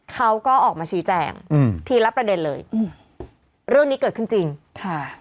เขาก็ออกมาชี้แจงอืมทีละประเด็นเลยอืมเรื่องนี้เกิดขึ้นจริงค่ะ